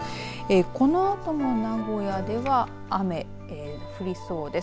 このあとの名古屋では雨降りそうです。